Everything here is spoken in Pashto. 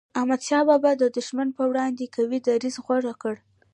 احمد شاه بابا د دښمن پر وړاندي قوي دریځ غوره کړ.